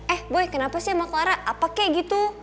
eh boy kenapa sih sama clara apa kek gitu